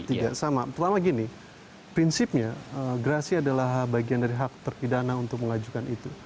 tidak sama pertama gini prinsipnya gerasi adalah bagian dari hak terpidana untuk mengajukan itu